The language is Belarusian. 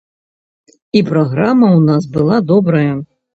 І праграма ў нас была добрая.